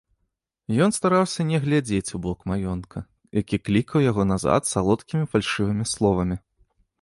Ён стараўся не глядзець у бок маёнтка, які клікаў яго назад салодкімі фальшывымі словамі.